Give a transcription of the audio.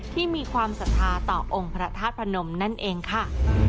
ที่มีความศรัทธาต่อองค์พระธาตุพนมนั่นเองค่ะ